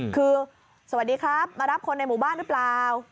คือสวัสดีครับมารับคนในหมู่บ้านหรือเปล่า